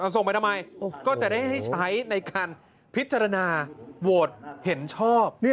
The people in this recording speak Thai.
ส่งไปทำไมก็จะได้ให้ใช้ในการพิจารณาโหวตเห็นชอบ